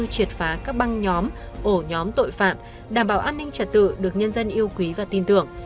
triệt phá các băng nhóm ổ nhóm tội phạm đảm bảo an ninh trật tự được nhân dân yêu quý và tin tưởng